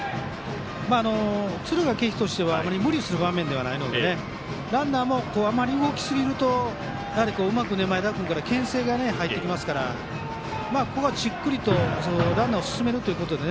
敦賀気比としてはあまり無理する場面ではないのでランナーもあまり動きすぎると前田君からうまくけん制が入ってきますからここはじっくりランナーを進めて。